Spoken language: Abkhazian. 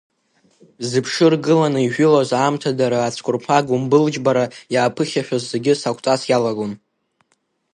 Зышԥы ргыланы ижәылоз аамҭадара ацәқәырԥа гәымбылџьбара иааԥыхьашәоз зегьы сақәҵас иалагон.